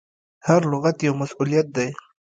هر لغت یو مسؤلیت دی.